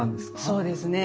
そうですね。